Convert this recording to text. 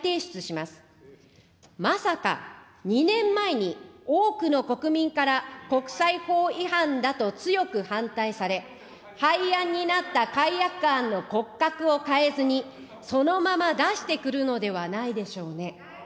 まさか２年前に、多くの国民から国際法違反だと強く反対され、廃案になった改悪案の骨格を変えずに、そのまま出してくるのではないでしょうね。